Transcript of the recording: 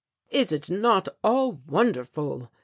"Is it not all wonderful?"